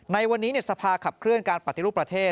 ในวันนี้สภาขับเคลื่อนการปฏิรูปประเทศ